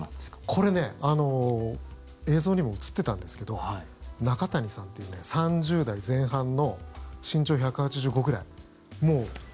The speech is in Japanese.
これ映像にも映ってたんですけど仲谷さんという、３０代前半の身長１８５ｃｍぐらい。